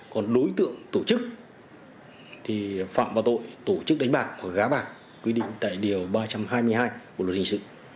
còn đối tượng tổ chức thì phạm vào tội tổ chức đánh bạc hoặc gá bạc quy định tại điều ba trăm hai mươi hai bộ luật hình sự